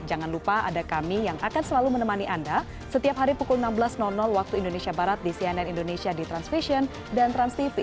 jangan lupa ada kami yang akan selalu menemani anda setiap hari pukul enam belas waktu indonesia barat di cnn indonesia di transvision dan transtv